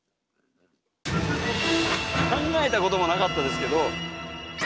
考えたこともなかったですけど。